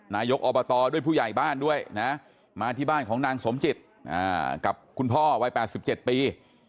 นายกอบตด้วยผู้ใหญ่บ้านด้วยนะมาที่บ้านของนางสมจิตกับคุณพ่อวัย๘๗ปี